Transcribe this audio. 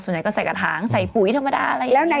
ส่วนใหญ่ก็ใส่กระท้างใส่ปุ๋ยธรรมดาอะไรอย่างนี้